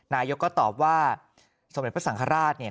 นายกก็ตอบว่าสมเด็จพระสังฆราชเนี่ย